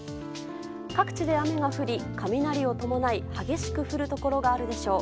各地で雨が降り、雷を伴い激しく降るところがあるでしょう。